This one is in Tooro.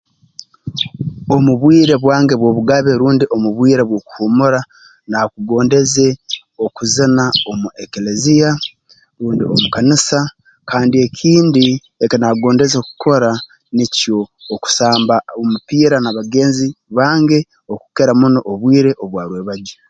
Omu bwire bwange bw'obugabe rundi omu bwire bw'okuhuumura naakugondeze okuzina omu ekeleziya rundi omu kanisa kandi ekindi eki naakugondeze kukora nikyo okusamba omupiira na bagenzi bange okukira muno obwire obwa rwebagyo